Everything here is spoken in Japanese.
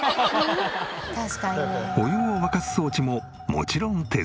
確かにね。お湯を沸かす装置ももちろん手作り。